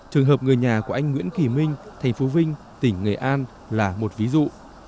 trường hợp người nhà của anh nguyễn kỳ minh thành phố vinh tỉnh nghệ an là một ví dụ